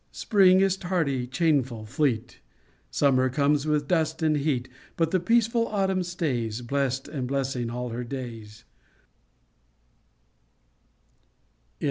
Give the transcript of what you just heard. Spring is tardy, changeful, fleet ; Summer comes with dust and heat ; But the peaceful autumn stays, Blest and blessing, all her days.